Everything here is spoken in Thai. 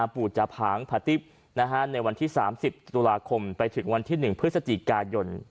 ปู่จาผางผติ๊บในวันที่๓๐ตุลาคมไปถึงวันที่๑พฤศจิกายน